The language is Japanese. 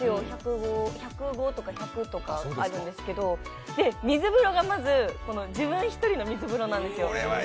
１０５とか１００とかあるんですけど水風呂がまず、自分１人の水風呂なんですよ。